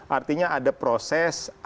artinya ada proses ada sebuah hal